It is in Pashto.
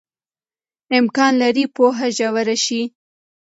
امکان لري پوهه ژوره شي.